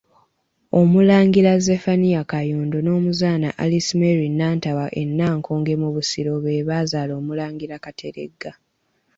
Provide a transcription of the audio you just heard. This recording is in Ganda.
Omulangira Zephania Kayondo n’Omuzaana Alice Mary Nantaba e Nankonge mu Busiro be bazaala Omulangira Kateregga.